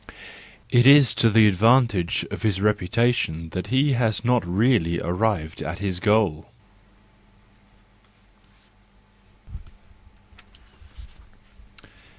It is to the advantage of his reputa¬ tion that he has not really arrived at his goal.